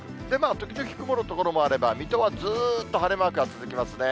時々曇る所もあれば、水戸はずっと晴れマークが続きますね。